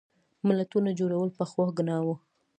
ملتونو جوړول پخوا ګناه وه.